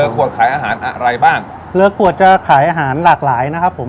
ขวดขายอาหารอะไรบ้างเรือขวดจะขายอาหารหลากหลายนะครับผม